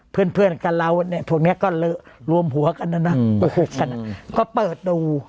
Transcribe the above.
เพื่อนเพื่อนกันเราเนี่ยพวกนี้ก็รวมหัวกันนะนะก็เปิดดู